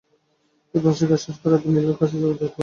এই পাঁচটি কাজ শেষ করবার পর নীলুর কাছে যাওয়া যেতে পারে।